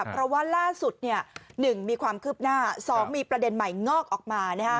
เพราะว่าล่าสุด๑มีความคืบหน้า๒มีประเด็นใหม่งอกออกมา